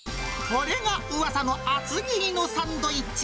これがうわさの厚切りのサンドイッチ。